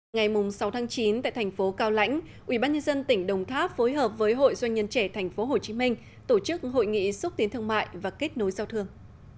ngày sáu chín tại thành phố cao lãnh ubnd tỉnh đồng tháp phối hợp với hội doanh nhân trẻ tp hcm tổ chức hội nghị xúc tiến thương mại và kết nối giao thương